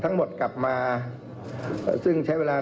ต่อได้ดูเรากันให้มา